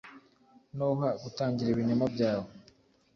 Nuha gutangira ibinyoma byawe